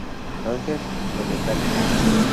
Anger"" de Metallica.